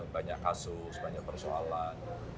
banyak kasus banyak persoalan